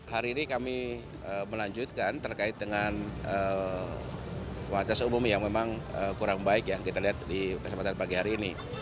hari ini kami melanjutkan terkait dengan fasilitas umum yang memang kurang baik yang kita lihat di kesempatan pagi hari ini